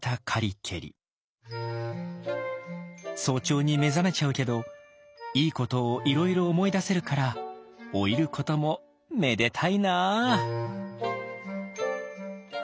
早朝に目覚めちゃうけどいいことをいろいろ思い出せるから老いることもめでたいな。